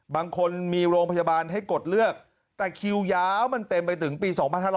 บางคนมีโรงพยาบาลให้กดเลือกแต่คิวยาวมันเต็มไปถึงปี๒๕๖๐